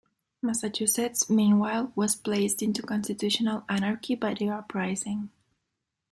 Massachusetts, meanwhile, was placed into constitutional anarchy by the uprising.